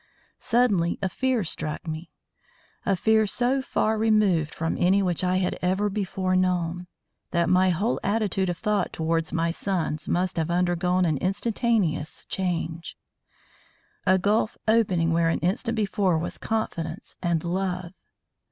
Suddenly a fear struck me, a fear so far removed from any which I had ever before known, that my whole attitude of thought towards my sons must have undergone an instantaneous change a gulf opening where an instant before was confidence and love.